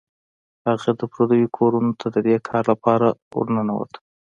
هغه د پردیو کورونو ته د دې کار لپاره ورنوت.